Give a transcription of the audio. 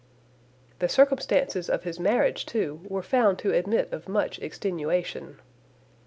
The circumstances of his marriage, too, were found to admit of much extenuation.